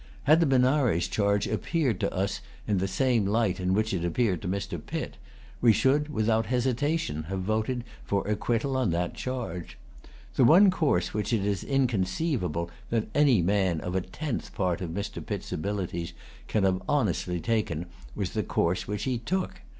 Had the Benares charge appeared to us in the[Pg 218] same light in which it appeared to Mr. Pitt, we should, without hesitation, have voted for acquittal on that charge. The one course which it is inconceivable that any man of a tenth part of Mr. Pitt's abilities can have honestly taken was the course which he took.